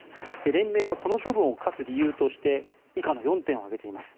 連盟はこの処分を科す理由として以下の４点を挙げています。